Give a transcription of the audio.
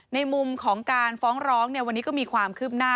ในมุมของการฟ้องร้องวันนี้ก็มีความคืบหน้า